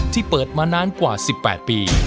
ที่เปิดมานานกว่า๑๘ปี